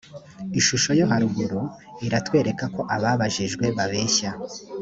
ishusho yo haruguru iratwereka ko ababajijwe babeshya